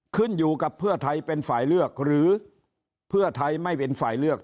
ขึ้นอยู่กับเพื่อไทยเป็นฝ่ายเลือกหรือเพื่อไทยไม่เป็นฝ่ายเลือก